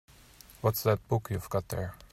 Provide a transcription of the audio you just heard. What's that book you've got there?